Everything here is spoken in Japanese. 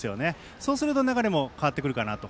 そうすると流れも変わってくるかなと。